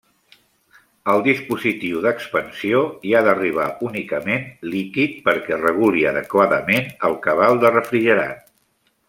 Al dispositiu d'expansió hi ha d'arribar únicament líquid perquè reguli adequadament el cabal de refrigerant.